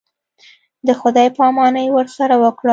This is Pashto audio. د خداى پاماني ورسره وكړم.